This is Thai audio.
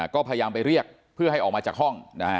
ก็พยายามไปเรียกเพื่อให้ออกมาจากห้อง